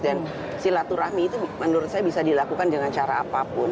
dan silaturahmi itu menurut saya bisa dilakukan dengan cara apapun